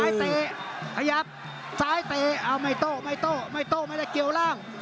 สายเตะขยับสายเตะเอาไมโตไมโตไมโตไม่ได้เกลียวล่าง